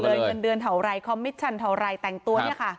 บอกหมดเลยเยือนเดือนเท่าไรคอมมิชชั่นเท่าไรแต่งตัวเนี่ยค่ะ